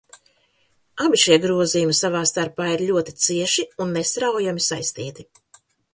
Abi šie grozījumi savā starpā ir ļoti cieši un nesaraujami saistīti.